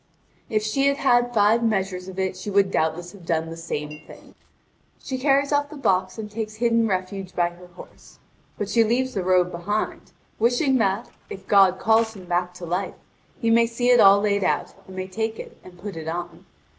If she had had five measures of it she would doubtless have done the same thing. She carries off the box, and takes hidden refuge by her horse. But she leaves the robe behind, wishing that, if God calls him back to life, he may see it all laid out, and may take it and put it on.